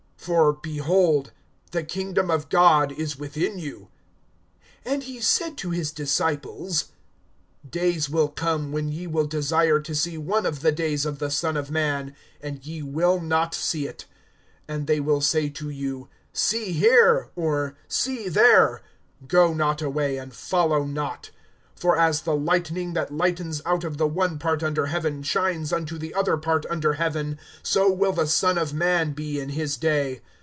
for, behold, the kingdom of God is within you[17:21]. (22)And he said to the disciples: Days will come, when ye will desire to see one of the days of the Son of man, and ye will not see it. (23)And they will say to you, See here; or, See there; go not away, and follow not. (24)For as the lightning, that lightens out of the one part under heaven, shines unto the other part under heaven, so will the Son of man be in his day.